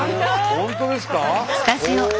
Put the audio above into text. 本当ですか？